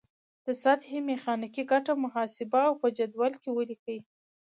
د سطحې میخانیکي ګټه محاسبه او په جدول کې ولیکئ.